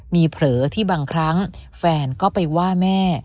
มีเผลอที่บางครั้งแฟนก็ไปว่าแม่